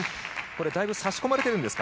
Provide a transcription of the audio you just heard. だいぶ差し込まれてるんですか？